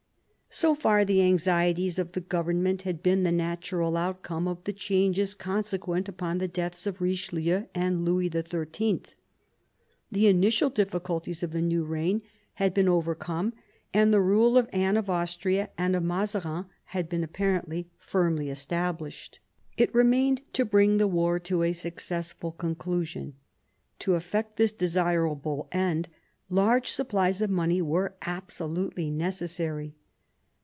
So far the anxieties of the government had been the natural outcome of the changes consequent upon the deaths of Richelieu and Louis XIII. The initial diffi culties of the new reign had been overcome and the rule of Anne of Austria and of Mazarin had been apparently firmly established. It remained to bring the war to a successful conclusion. To effect this desir able end, large supplies of money were absolutely necessary.